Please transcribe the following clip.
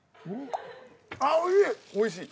おいしい！